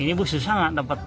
ini bu susah nggak dapat